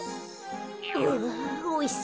うわおいしそうだなあ。